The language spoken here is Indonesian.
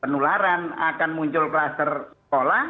penularan akan muncul kelas tersekolah